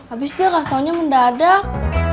abis dia kasih taunya mendadak